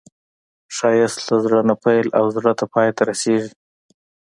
ښایست له زړه نه پیل او زړه ته پای ته رسېږي